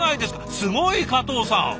すごい！加藤さん。